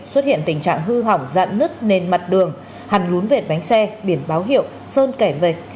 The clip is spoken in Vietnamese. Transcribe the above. xuất hiện tình trạng hư hỏng dạn nứt nền mặt đường hằn lún vệt bánh xe biển báo hiệu sơn kẻ vạch